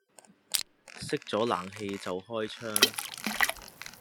熄咗冷氣就開窗